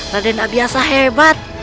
raden abiasa hebat